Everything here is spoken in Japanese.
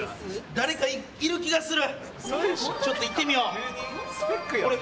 誰かいる気がする！